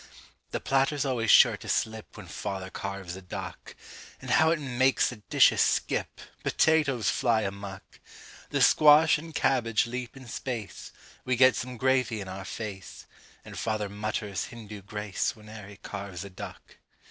The platter's always sure to slip When Father carves a duck. And how it makes the dishes skip! Potatoes fly amuck! The squash and cabbage leap in space We get some gravy in our face And Father mutters Hindu grace Whene'er he carves a duck.